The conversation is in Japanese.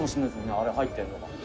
あれ入ってるのが」